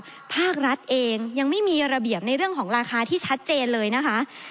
ภาครัฐเองยังไม่มีระเบียบในเรื่องของราคาที่ชัดเจนเลยนะคะ